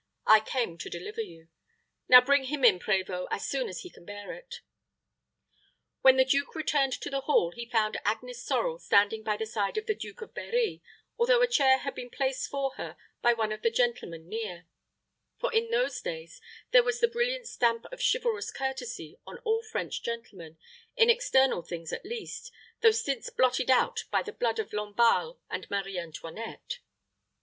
I came to deliver you. Now bring him in, prévôt, as soon as he can bear it." When the duke returned to the hall, he found Agnes Sorel standing by the side of the Duke of Berri, although a chair had been placed for her by one of the gentlemen near; for in those days there was the brilliant stamp of chivalrous courtesy on all French gentlemen, in external things at least, though since blotted out by the blood of Lamballe and Marie Antoinette.